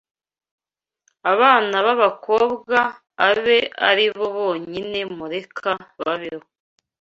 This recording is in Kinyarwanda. Abana b’abakobwa abe ari bo bonyine mureka babeho